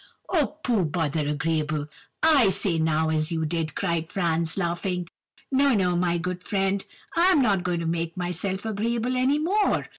"'Oh, pooh! bother agreeable; I say now, as you did,' cried Franz, laughing. 'No, no, my good friend, I'm not going to make myself agreeable any more.